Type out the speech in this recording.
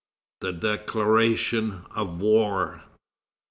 THE DECLARATION OF WAR.